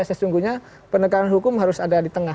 sesungguhnya penegakan hukum harus ada di tengah